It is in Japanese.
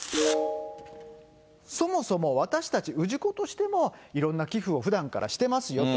そもそも私たち氏子としても、いろんな寄付をふだんからしてますよと。